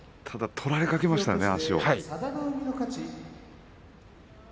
ただ、取られかけましたよね、足を。